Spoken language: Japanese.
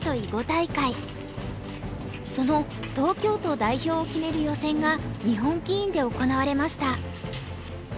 その東京都代表を決める予選が日本棋院で行われました。